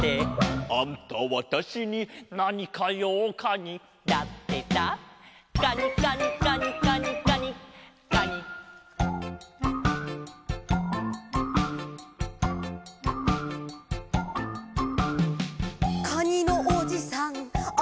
「あんたわたしになにかようカニだってさ」「カニカニカニカニカニカニ」「カニのおじさんあぶくぶくぶく」